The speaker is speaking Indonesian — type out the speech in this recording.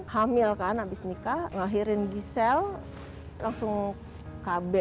hamil kan abis nikah ngahirin gisel langsung kb